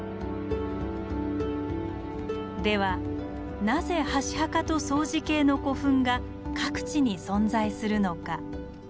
ではなぜ箸墓と相似形の古墳が各地に存在するのか。